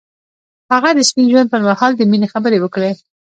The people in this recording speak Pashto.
هغه د سپین ژوند پر مهال د مینې خبرې وکړې.